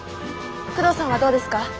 久遠さんはどうですか？